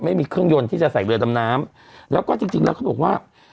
ไม่มีเครื่องยนต์ที่จะใส่เรือดำน้ำแล้วก็จริงจริงแล้วเขาบอกว่า